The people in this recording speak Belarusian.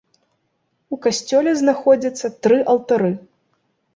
У касцёле знаходзяцца тры алтары.